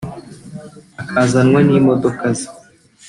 akazanwa n’imodoka ze